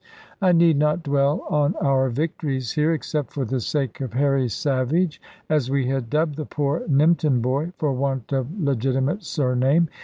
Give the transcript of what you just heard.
I need not dwell on our victories here, except for the sake of Harry Savage, as we had dubbed the poor Nympton boy, for want of legitimate surname.